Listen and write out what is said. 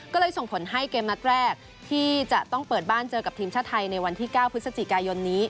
ก็เลยส่งผลให้เกมนัดแรกที่จะต้องเปิดบ้านเจอกับทีมชาติไทยในวันที่๙พฤศจิกายนนี้